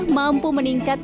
yang mampu meningkatkan